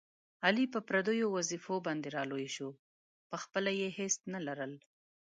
علي په پردیو وظېفو باندې را لوی شو، په خپله یې هېڅ نه لرل.